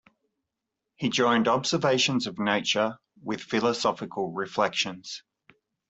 He joined observations of nature with philosophical reflections.